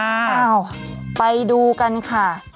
อ้าวไปดูกันค่ะ